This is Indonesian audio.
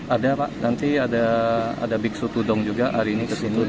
ada pak nanti ada biksu tudung juga hari ini kesini